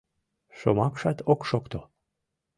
Шомакшат ок шокто.